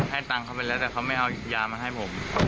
ให้ตังค์เขาไปแล้วแต่เขาไม่เอายามาให้ผม